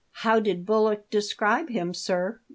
"" How did Bullock describe him, sir